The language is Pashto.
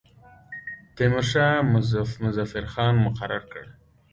تیمورشاه مظفر خان مقرر کړ.